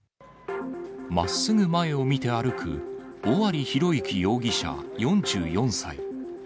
まっすぐ前を見て歩く、尾張裕之容疑者４４歳。